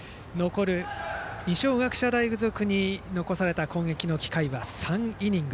二松学舎大付属に残された攻撃機会は３イニング。